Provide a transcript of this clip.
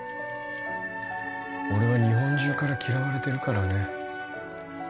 俺は日本中から嫌われてるからね